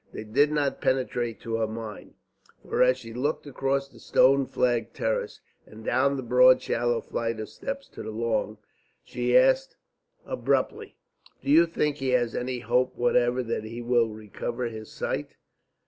They did not penetrate to her mind, for as she looked across the stone flagged terrace and down the broad shallow flight of steps to the lawn, she asked abruptly: "Do you think he has any hope whatever that he will recover his sight?"